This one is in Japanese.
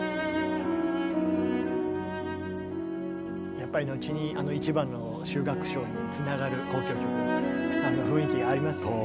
やっぱり後にあの「１番」の終楽章につながる交響曲のあの雰囲気がありますよね。